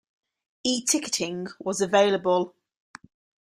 E-ticketing was available.